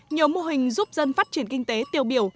nhiều mô hình giúp dân phát triển kinh tế tiêu biểu